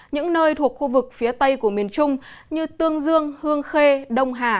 những nơi thuộc khu vực phía tây của miền trung như tương dương hương khê đông hà